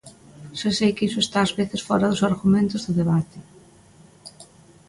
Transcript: Xa sei que iso está ás veces fóra dos argumentos do debate.